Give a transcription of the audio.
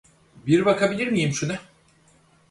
Bir bakabilir miyim şuna?